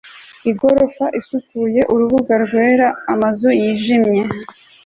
igorofa isukuye, urubura-rwera, amazu yijimye